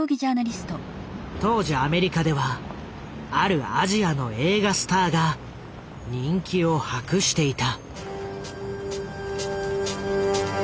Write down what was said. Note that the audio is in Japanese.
当時アメリカではあるアジアの映画スターが人気を博していた。